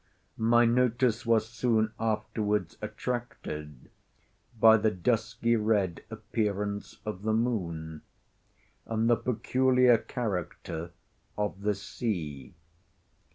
My notice was soon afterwards attracted by the dusky red appearance of the moon, and the peculiar character of the sea.